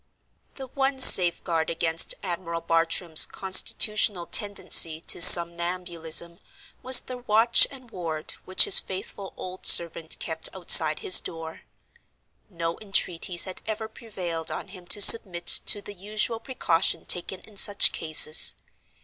The one safeguard against Admiral Bartram's constitutional tendency to somnambulism was the watch and ward which his faithful old servant kept outside his door. No entreaties had ever prevailed on him to submit to the usual precaution taken in such cases.